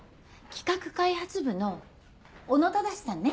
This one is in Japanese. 企画開発部の小野忠さんね。